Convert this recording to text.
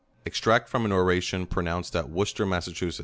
Extract from an Oration, pronounced at Wor cester, (Mass.)